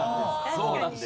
そうなんです。